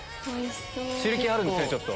汁気あるんですねちょっと。